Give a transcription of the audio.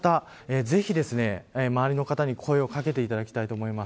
ぜひ周りの方に声を掛けていただきたいと思います。